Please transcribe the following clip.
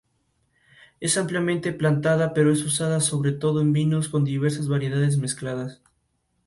Ellos determinan seguir las instrucciones, y encuentran un pasillo que los conduce al subsuelo.